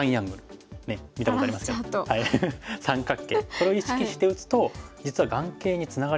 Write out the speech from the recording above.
これを意識して打つと実は眼形につながりやすい。